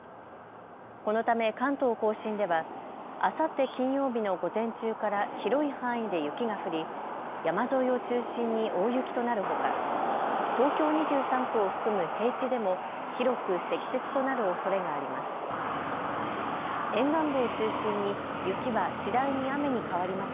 このため関東甲信ではあさって金曜日の午前中から広い範囲で雪が降り山沿いを中心に大雪となるほか東京２３区を含む平地でも広く積雪となるおそれがあります。